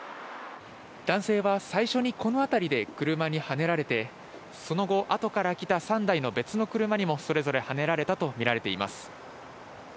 男性は最初にこの辺りで車にはねられてその後あとから来た３台の別の車にもそれぞれはねられたとみられています。